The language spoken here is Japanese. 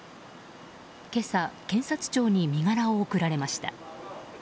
今朝、検察庁に身柄を送られました。